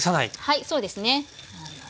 はいそうですね。